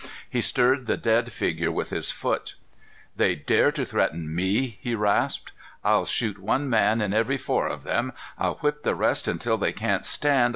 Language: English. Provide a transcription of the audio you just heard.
He stirred the dead figure with his foot. "They dare to threaten me!" he rasped. "I'll shoot one man in every four of them! I'll whip the rest until they can't stand.